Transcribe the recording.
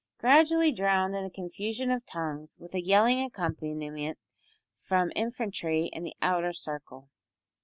gradually drowned in a confusion of tongues with a yelling accompaniment from infantry in the outer circle.